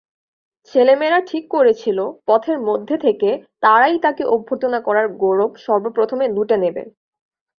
ছেলেমেয়েরা ঠিক করেছিল পথের মধ্যে থেকে তারাই তাঁকে অভ্যর্থনা করার গৌরব সর্বপ্রথমে লুটে নেবে।